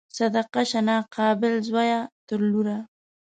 صدقه شه ناقابل زویه تر لوره